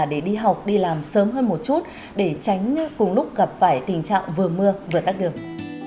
để đi học đi làm sớm hơn một chút để tránh cùng lúc gặp phải tình trạng vừa mưa vừa tắt đường